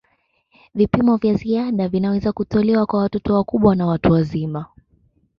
Vipimo vya ziada vinaweza kutolewa kwa watoto wakubwa na watu wazima.